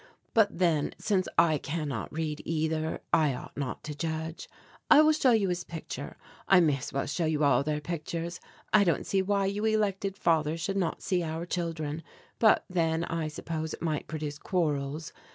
But then since I cannot read either I ought not to judge. I will show you his picture. I may as well show you all their pictures. I don't see why you elected fathers should not see our children but then I suppose it might produce quarrels.